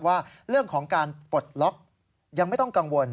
ว่าเรื่องของการปลดล็อกยังไม่ต้องกังวล